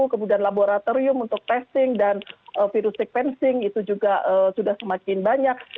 kemudian laboratorium untuk testing dan virus sequencing itu juga sudah semakin banyak